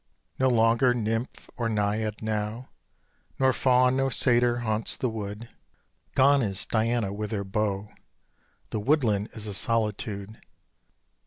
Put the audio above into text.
No longer nymph nor naiad now, Nor faun nor satyr haunts the wood, Gone is Diana with her bow, The woodland is a solitude.